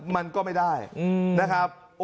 มันก็ไม่ได้นะครับ